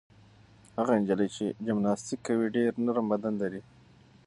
هغه نجلۍ چې جمناسټیک کوي ډېر نرم بدن لري.